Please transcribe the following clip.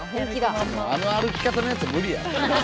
あの歩き方のやつ無理やろ。